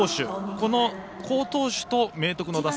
この好投手と明徳の打線